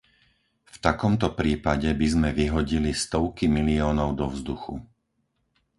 V takomto prípade by sme vyhodili stovky miliónov do vzduchu.